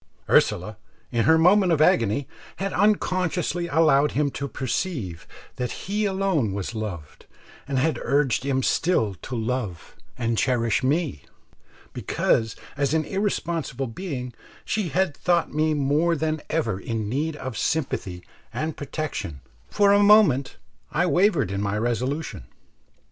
Ursula, in her moment of agony, had unconsciously allowed him to perceive that he alone was loved, and had urged him still to love and cherish me, because as an irresponsible being she had thought me more than ever in need of sympathy and protection For a moment I wavered in my resolution.